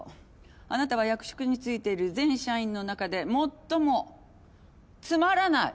あなたは役職に就いている全社員の中で最もつまらない！